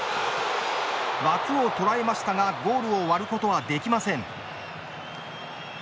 枠をとらえましたがゴールを割ることはできません。